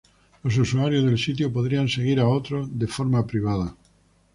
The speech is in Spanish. Los usuarios del sitio podrían seguir a otros de forma privada.